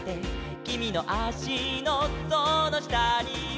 「きみのあしのそのしたには」